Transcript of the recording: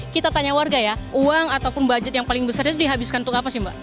kita tanya warga ya uang ataupun budget yang paling besar itu dihabiskan untuk apa sih mbak